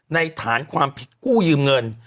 ฐานความผิดกู้ยืมเงิน